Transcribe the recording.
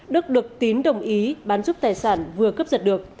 đức được tín đồng ý bán giúp tài sản vừa cướp giật được